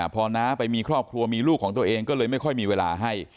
พอน้าไปมีครอบครัวมีลูกของตัวเองก็เลยไม่ค่อยมีเวลาให้